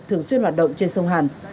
thường xuyên hoạt động trên sông hàn